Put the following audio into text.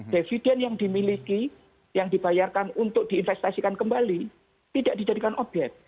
dividen yang dimiliki yang dibayarkan untuk diinvestasikan kembali tidak dijadikan obyek